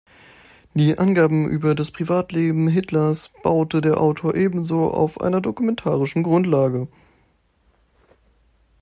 Die Angaben über das Privatleben Hitlers baute der Autor ebenso auf einer dokumentarischen Grundlage.